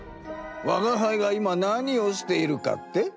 わがはいが今何をしているかって？